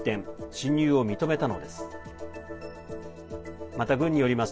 侵入を認めたのです。